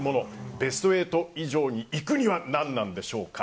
ベスト８以上に行くには何でしょうか。